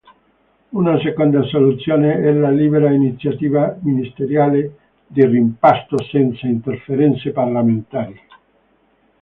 Una seconda soluzione è la libera iniziativa ministeriale di rimpasto senza interferenze parlamentari.